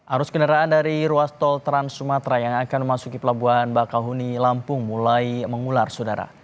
arus kendaraan dari ruas tol trans sumatera yang akan memasuki pelabuhan bakahuni lampung mulai mengular saudara